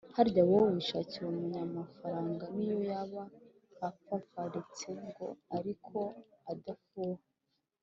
harya wowe wishakira umunyamafaranga niyo yaba afafaritse ngo ariko adafuha